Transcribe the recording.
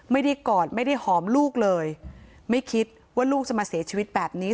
กอดไม่ได้หอมลูกเลยไม่คิดว่าลูกจะมาเสียชีวิตแบบนี้